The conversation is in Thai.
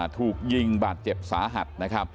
ถูกยิงบาดเจ็บสาหัส